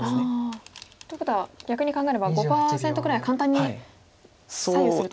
ということは逆に考えれば５％くらいは簡単に左右すると。